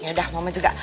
yaudah mama juga